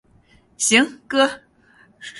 行，哥！